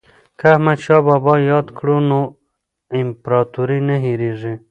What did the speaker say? که احمد شاه بابا یاد کړو نو امپراتوري نه هیریږي.